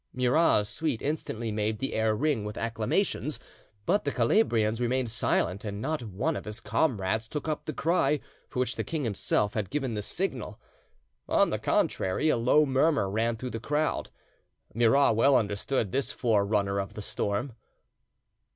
Murat's suite instantly made the air ring with acclamations, but the Calabrians remained silent, and not one of his comrades took up the cry for which the king himself had given the signal; on the contrary, a low murmur ran through the crowd. Murat well understood this forerunner of the storm.